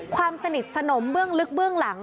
ความสนิทสนมเบื้องลึกเบื้องหลัง